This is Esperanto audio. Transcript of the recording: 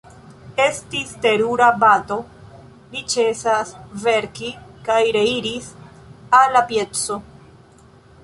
Estis terura bato: li ĉesas verki kaj reiris al la pieco.